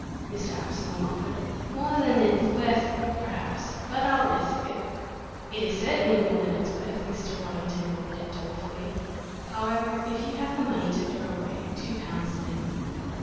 Mr. Absolom offered. "More than it'th worth, perhaps, but I'll rithk it." "It is certainly more than it's worth," Mr. Waddington admitted, dolefully. "However, if you have the money to throw away two pounds, then."